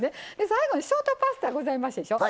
最後にショートパスタございますでしょ。